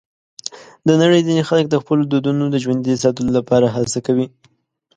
د نړۍ ځینې خلک د خپلو دودونو د ژوندي ساتلو لپاره هڅه کوي.